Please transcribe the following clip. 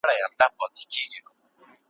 او په ژمي اورېدلې سختي واوري ,